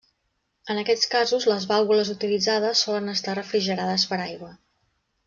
En aquests casos les vàlvules utilitzades solen estar refrigerades per aigua.